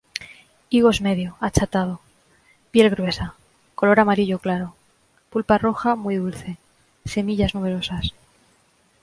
Higos medio, achatado; piel gruesa; color amarillo claro; pulpa roja, muy dulce; semillas numerosas.